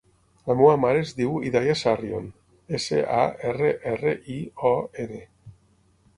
La meva mare es diu Hidaya Sarrion: essa, a, erra, erra, i, o, ena.